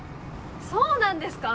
そうなんですか？